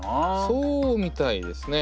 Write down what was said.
そうみたいですね。